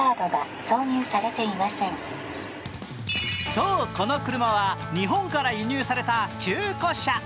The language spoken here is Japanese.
そう、この車は日本から輸入された中古車。